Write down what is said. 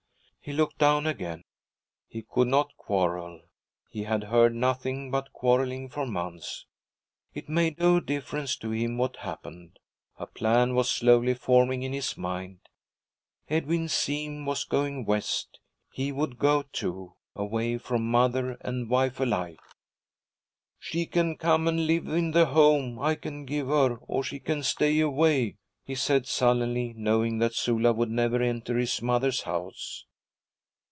He looked down again; he could not quarrel, he had heard nothing but quarreling for months. It made no difference to him what happened. A plan was slowly forming in his mind. Edwin Seem was going West; he would go too, away from mother and wife alike. 'She can come and live in the home I can give her or she can stay away,' he said sullenly, knowing that Sula would never enter his mother's house.